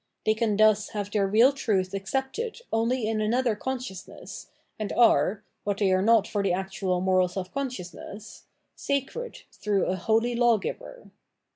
They can thus have their real truth accepted only in another consciousness, and are (what they are not for the actual moral self consciousness) sacred tlirough a holy law giver.